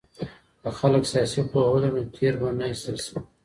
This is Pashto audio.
که خلګ سياسي پوهه ولري نو تېر به نه ايستل سي.